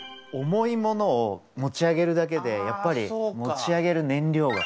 重いものを持ち上げるだけでやっぱり持ち上げる燃料がかかるんです。